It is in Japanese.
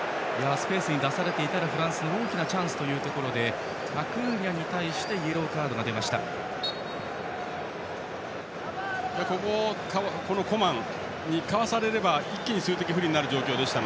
スペースに出されていたらフランスが大きなチャンスというところでアクーニャに対してイエローカードが出ました。